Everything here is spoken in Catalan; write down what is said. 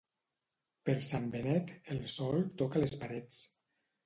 Per Sant Benet, el sol toca les parets.